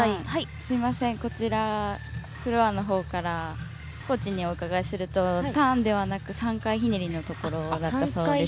こちら、フロアの方からコーチにお伺いするとターンではなく３回ひねりのところだったそうです。